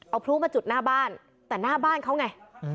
เอาพลุมาจุดหน้าบ้านแต่หน้าบ้านเขาไง